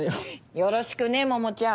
よろしくねモモちゃん。